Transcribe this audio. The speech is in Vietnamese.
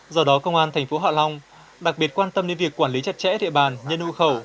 do đó công an thành phố hạ long đặc biệt quan tâm đến việc quản lý chặt chẽ địa bàn nhân hưu khẩu